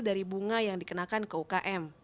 dari bunga yang dikenakan ke ukm